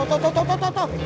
tuh tuh tuh tuh